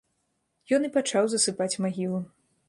Ён і пачаў засыпаць магілу.